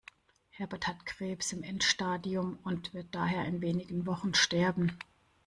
Herbert hat Krebs im Endstadium und wird daher in wenigen Wochen sterben.